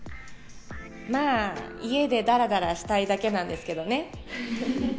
まあ家でダラダラしたいだけなんですけどね